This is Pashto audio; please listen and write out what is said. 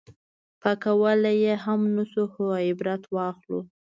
پاک کولی یې هم نه شو خو عبرت واخلو.